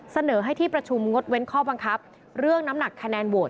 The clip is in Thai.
เสนอให้ที่ประชุมงดเว้นข้อบังคับเรื่องน้ำหนักคะแนนโหวต